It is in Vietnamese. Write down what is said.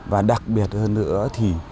và đặc biệt hơn nữa thì